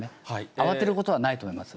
慌てることはないと思います。